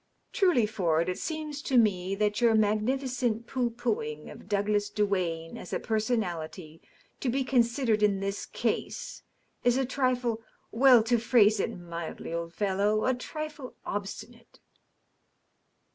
Truly, Ford, it seems to me that your magnificent pooh poohing of Douglas Duane as a per sonality to be considered in this case is a trifle •. well, to phrase it mildly, old fellow, a trifle obstinate."